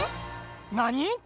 なに？